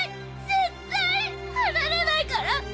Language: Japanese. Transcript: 絶対離れないから。